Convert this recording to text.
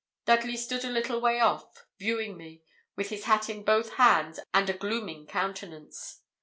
Dudley stood a little way off, viewing me, with his hat in both hands and a 'glooming' countenance.